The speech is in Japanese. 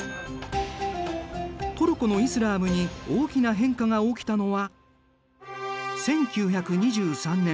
トルコのイスラームに大きな変化が起きたのは１９２３年。